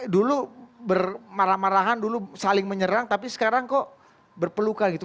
dulu bermarah marahan dulu saling menyerang tapi sekarang kok berpelukan gitu